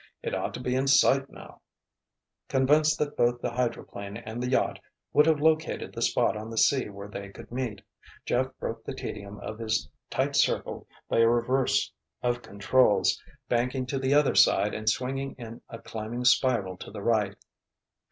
"It ought to be in sight now——" Convinced that both the hydroplane and the yacht would have located the spot on the sea where they would meet, Jeff broke the tedium of his tight circle by a reverse of controls, banking to the other side and swinging in a climbing spiral to the right.